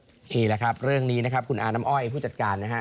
นี่แหละครับเรื่องนี้นะครับคุณอาน้ำอ้อยผู้จัดการนะฮะ